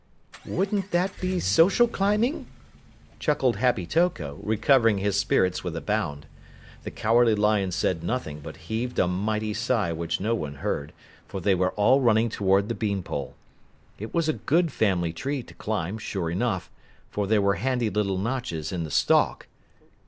"Wouldn't that be social climbing?" chuckled Happy Toko, recovering his spirits with a bound. The Cowardly Lion said nothing, but heaved a mighty sigh which no one heard, for they were all running toward the bean pole. It was a good family tree to climb, sure enough, for there were handy little notches in the stalk.